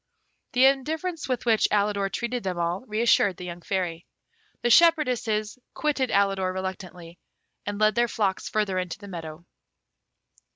The indifference with which Alidor treated them all re assured the young Fairy. The shepherdesses quitted Alidor reluctantly, and led their flocks further into the meadow.